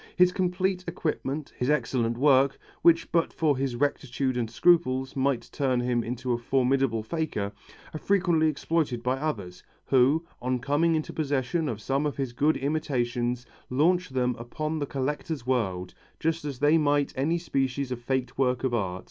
His complete equipment, his excellent work, which but for his rectitude and scruples might turn him into a formidable faker, are frequently exploited by others, who, on coming into possession of some of his good imitations launch them upon the collector world, just as they might any species of faked works of art.